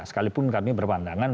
sekalipun kami berpandangan